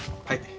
はい。